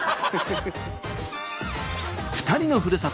２人のふるさと